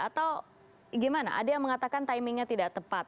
atau gimana ada yang mengatakan timingnya tidak tepat